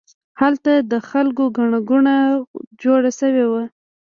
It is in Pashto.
هلته د خلکو ګڼه ګوڼه جوړه شوې وه.